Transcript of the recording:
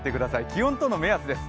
気温との目安です。